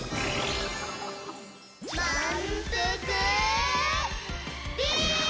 まんぷくビーム！